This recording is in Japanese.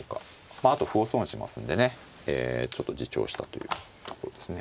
まああと歩を損しますんでねちょっと自重したというとこですね。